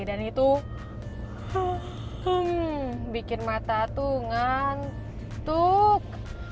dan itu bikin mata tuh ngantuk